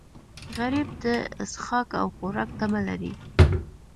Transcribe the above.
غریب د څښاک او خوراک تمه لري